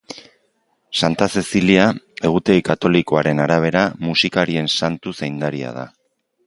Santa Zezilia egutegi katolikoaren arabera musikarien santu zaindaria da.